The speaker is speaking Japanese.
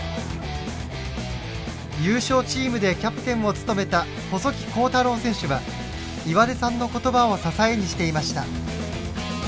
優勝チームでキャプテンを務めた細木康太郎選手は岩出さんの言葉を支えにしていました。